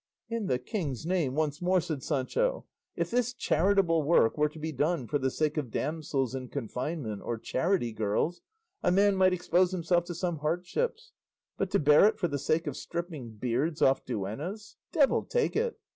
"In the king's name, once more!" said Sancho; "If this charitable work were to be done for the sake of damsels in confinement or charity girls, a man might expose himself to some hardships; but to bear it for the sake of stripping beards off duennas! Devil take it!